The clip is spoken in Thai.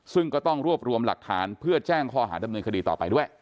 ซึ่งก็ต้องรวบรวมหลักฐานเพื่อแจ้งข้อหาดำเนินคดีต่อไปด้วย